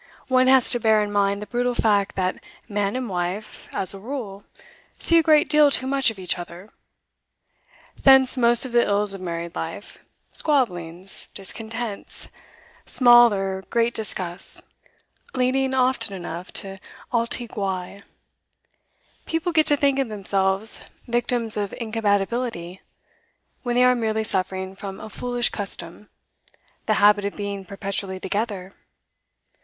One has to bear in mind the brutal fact that man and wife, as a rule, see a great deal too much of each other thence most of the ills of married life: squabblings, discontents, small or great disgusts, leading often enough to altri guai. People get to think themselves victims of incompatibility, when they are merely suffering from a foolish custom the habit of being perpetually together.